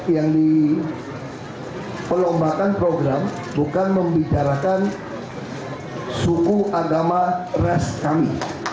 yang diperlombakan program bukan membicarakan suku agama ras kami